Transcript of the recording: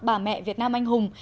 bà mẹ việt nam anh hùng